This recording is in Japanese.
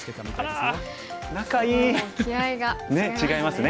すごいもう気合いが違いますね。